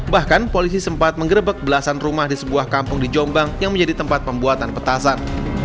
bahkan polisi sempat mengerebek belasan rumah di sebuah kampung di jombang yang menjadi tempat pembuatan petasan